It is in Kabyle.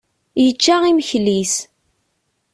Yečča imekli-is.